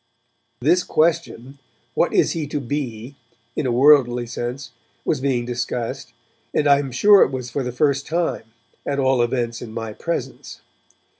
This question, 'What is he to be?' in a worldly sense, was being discussed, and I am sure that it was for the first time, at all events in my presence.